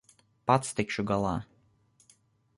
Pats tikšu galā.